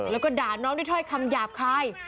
แล้วก็ด่าน้องด้วยถ้อยคำหยาบคาย